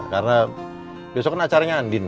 karena besok kan acaranya andin